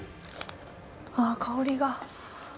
あぁ、香りが。